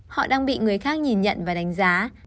họ đang bị người khác nhìn nhận và đánh giá